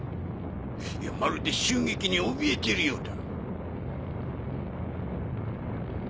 まるで襲撃におびえてるようだ。